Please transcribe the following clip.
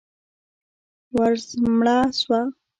وزمړه سوه.